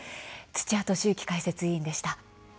土屋敏之解説委員でした。